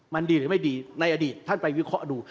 มันดีหรือไม่ดีในอดีตท่านไปวิเคราะห์ดู